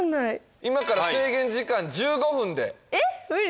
今から制限時間１５分でえっ無理